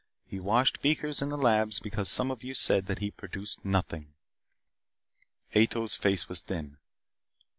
He washed beakers in the labs because some of you said that he produced nothing " Ato's face was thin.